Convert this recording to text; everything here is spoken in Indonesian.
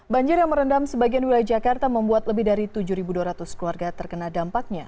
banjir yang merendam sebagian wilayah jakarta membuat lebih dari tujuh dua ratus keluarga terkena dampaknya